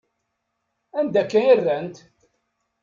Anda akka i rrant?